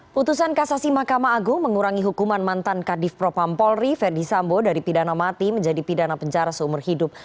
putusan kasasi mahkamah agung mengurangi hukuman mantan kadif propam polri verdi sambo dari pidana mati menjadi pidana penjara seumur hidup